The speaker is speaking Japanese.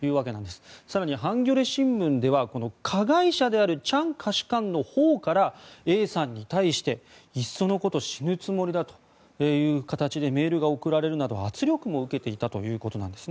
更にハンギョレ新聞では加害者であるチャン下士官のほうからＡさんに対して、いっそのこと死ぬつもりだという形でメールが送られるなど圧力も受けていたということです。